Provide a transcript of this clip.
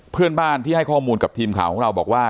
เพื่อนบ้านที่ให้ข้อมูลกับทีมข่าวของเราบอกว่า